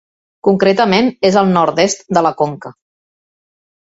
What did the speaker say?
Concretament és al nord-est de la conca.